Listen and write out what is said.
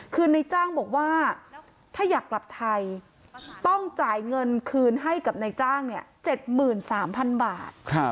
คือในจ้างบอกว่าถ้าอยากกลับไทยต้องจ่ายเงินคืนให้กับนายจ้าง๗๓๐๐๐บาท